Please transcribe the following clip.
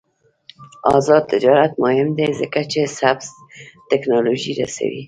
آزاد تجارت مهم دی ځکه چې سبز تکنالوژي رسوي.